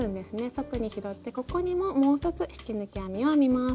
束に拾ってここにももう一つ引き抜き編みを編みます。